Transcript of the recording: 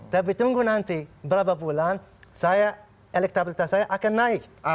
tapi tunggu nanti beberapa bulan elektabilitas saya akan naik